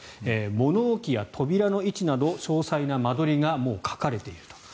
物置や扉の位置など詳細な間取りがもう書かれていると。